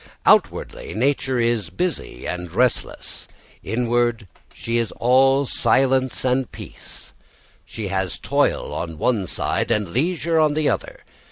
Outwardly nature is busy and restless, inwardly she is all silence and peace. She has toil on one side and leisure on the other.